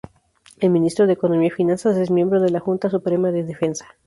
El ministro de Economía y Finanzas es miembro de la Junta Suprema de Defensa.